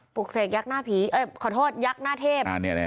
ปลุกเสกยักษ์หน้าเทพ